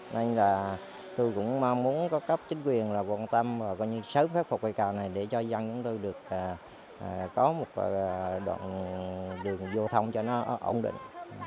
nên là tôi cũng mong muốn có cấp chính quyền là quan tâm và như sớm khắc phục cây cầu này để cho dân chúng tôi được có một đoạn đường vô thông cho nó ổn định